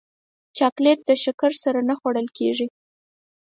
چاکلېټ د شکر سره نه خوړل کېږي.